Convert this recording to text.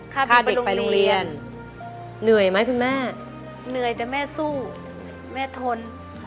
ถ้าพาไปโรงเรียนเหนื่อยไหมคุณแม่เหนื่อยแต่แม่สู้แม่ทน